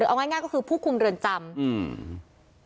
เอาง่ายง่ายก็คือผู้คุมเรือนจำอืม